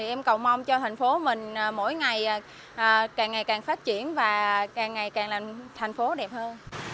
em cầu mong cho thành phố mình mỗi ngày càng ngày càng phát triển và càng ngày càng làm thành phố đẹp hơn